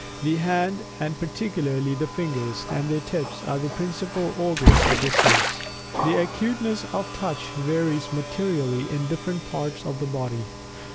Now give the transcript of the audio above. The hand, and particularly the fingers, and their tips, are the principal organs of this sense. The acuteness of Touch varies materially in different parts of the body.